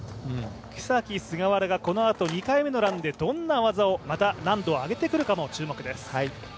草木、菅原がこのあと２回目のランでどんな技を難度を上げてくるかが注目です。